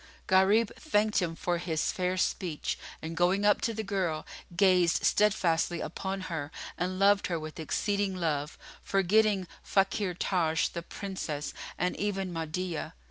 Gharib thanked him for his fair speech and going up to the girl, gazed steadfastly upon her and loved her with exceeding love, forgetting Fakhr Taj the Princess and even Mahdiyah.